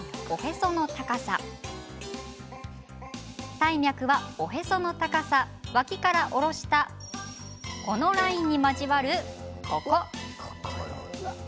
帯脈は、おへその高さ脇から下ろしたラインの交わるここ。